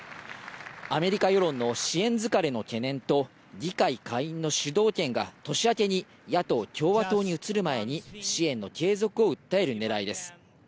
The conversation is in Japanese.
アメリカ世論の支援疲れの懸念と、議会下院の主導権が年明けに野党・共和党に移る前に、支援の継続を訴えるねらいです。